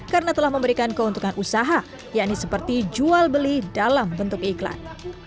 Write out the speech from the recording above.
karena telah memberikan keuntungan usaha yaitu seperti jual beli dalam bentuk iklan